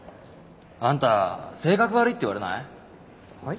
あんた性格悪いって言われない？